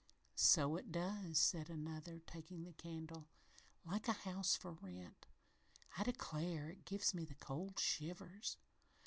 "So it does," said another, taking the candle. "Like a house for rent. I declare, it gives me the cold shivers."